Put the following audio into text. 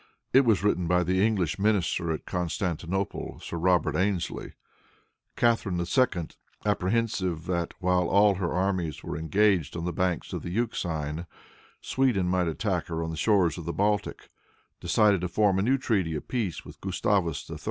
It was written by the English minister at Constantinople, Sir Robert Ainslie. Catharine II., apprehensive that, while all her armies were engaged on the banks of the Euxine, Sweden might attack her on the shores of the Baltic, decided to form a new treaty of peace with Gustavus III.